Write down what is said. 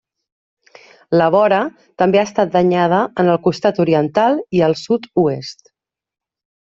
La vora també ha estat danyada en el costat oriental i al sud-oest.